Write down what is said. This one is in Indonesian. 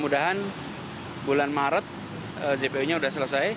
di jpm nya sudah selesai